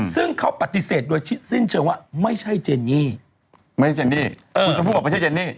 ซึ่งเขาปฏิเสธโดยสิ้นเชิงว่าไม่ใช่เจนนี่ไม่ใช่เจนนี่คุณชมพูบอกไม่ใช่เจนนี่